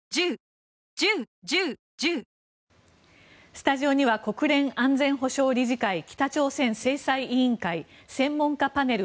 スタジオには国連安全保障理事会北朝鮮制裁委員会専門家パネル